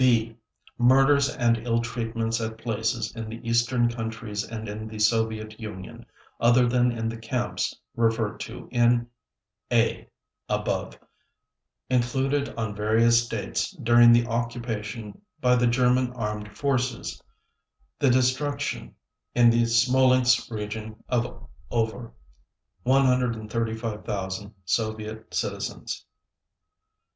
(b) Murders and ill treatments at places in the Eastern Countries and in the Soviet Union, other than in the camps referred to in (a) above, included, on various dates during the occupation by the German Armed Forces: The destruction in the Smolensk region of over 135,000 Soviet citizens.